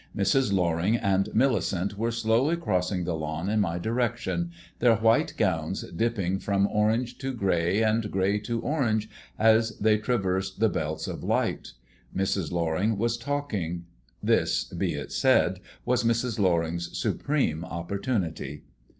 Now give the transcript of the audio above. Mrs. Loring and Millicent were slowly crossing the lawn in my direction, their white gowns dipping from orange to grey and grey to orange as they traversed the belts of light. Mrs. Loring was talking; this, be it said, was Mrs. Loring's supreme opportunity.